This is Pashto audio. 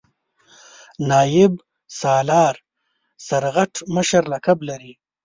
نایب سالار سرغټ مشر لقب لري.